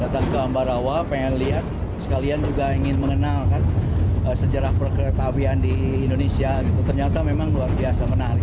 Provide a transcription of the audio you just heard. ke ambarawa pengen lihat sekalian juga ingin mengenalkan sejarah perkereta abian di indonesia gitu ternyata memang luar biasa menarik